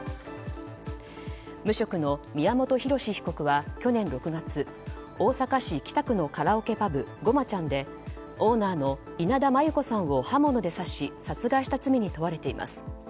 無職の宮本浩志被告は去年６月大阪市北区のカラオケパブごまちゃんでオーナーの稲田真優子さんを刃物で刺し殺害した罪に問われています。